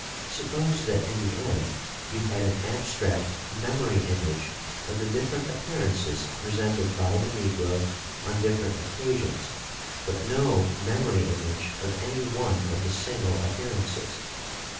Suppose that in the end you had an abstract memory image of the different appearances presented by the negro on different occasions, but no memory image of any one of the single appearances.